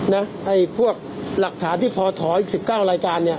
น่ะให้พวกหลักฐานที่พอถอย๑๙รายการเนี่ย